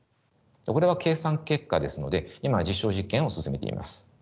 これは計算結果ですので今は実証実験を進めています。